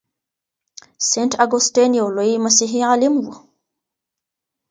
سینټ اګوستین یو لوی مسیحي عالم و.